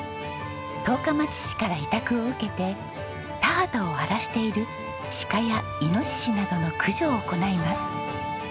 十日町市から委託を受けて田畑を荒らしているシカやイノシシなどの駆除を行います。